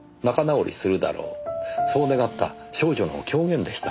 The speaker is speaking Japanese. そう願った少女の狂言でした。